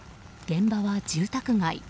現場は住宅街。